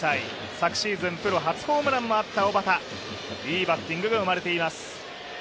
昨シーズンプロ初ホームランもあった小幡、いいバッティングが生まれています。